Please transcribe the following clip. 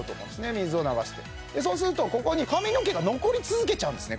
水を流してでそうするとここに髪の毛が残り続けちゃうんですね